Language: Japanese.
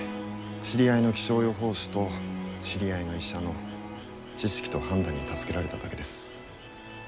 知り合いの気象予報士と知り合いの医者の知識と判断に助けられただけです。